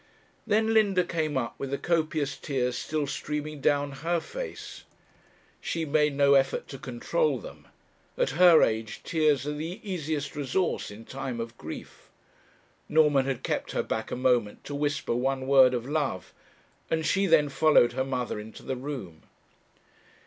Then Linda came up with the copious tears still streaming down her face. She made no effort to control them; at her age tears are the easiest resource in time of grief. Norman had kept her back a moment to whisper one word of love, and she then followed her mother into the room.